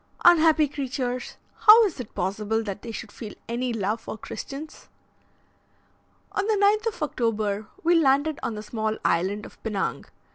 Unhappy creatures! how is it possible that they should feel any love for Christians? On the 9th of October we landed on the small island of Pinang.